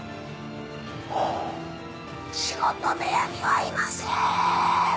お仕事部屋にはいません。